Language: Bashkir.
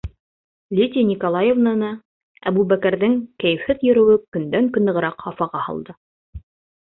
Лидия Николаевнаны Әбүбәкерҙең кәйефһеҙ йөрөүе көндән-көн нығыраҡ хафаға һалды.